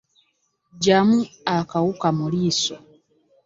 Jjamu akawuka mu liiso.